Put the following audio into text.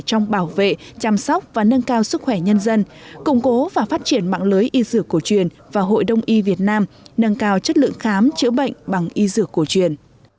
trong bảo vệ chăm sóc và nâng cao sức khỏe nhân dân củng cố và phát triển mạng lưới y dược cổ truyền và hội đồng y việt nam nâng cao chất lượng khám chữa bệnh bằng y dược cổ truyền